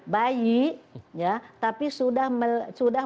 baik tapi sudah